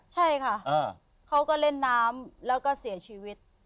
ใช่ค่ะเขาก็เล่นน้ำแล้วก็เสียชีวิต